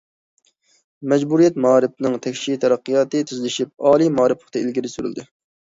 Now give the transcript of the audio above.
مەجبۇرىيەت مائارىپىنىڭ تەكشى تەرەققىياتى تېزلىشىپ، ئالىي مائارىپ پۇختا ئىلگىرى سۈرۈلدى.